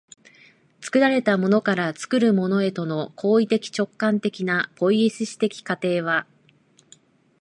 作られたものから作るものへとの行為的直観的なポイエシス的過程は